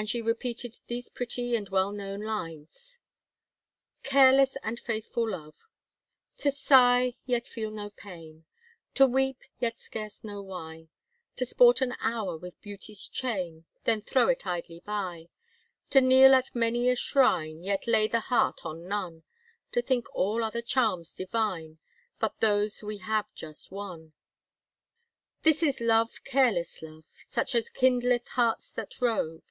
And she repeated these pretty and well known lines: CARELESS AND FAITHFUL LOVE. To sigh yet feel no pain; To weep yet scarce know why; To sport an hour with beauty's chain, Then throw it idly by; To kneel at many a shrine, Yet lay the heart on none; To think all other charms divine But those we just have won: This is love careless love Such as kindleth hearts that rove.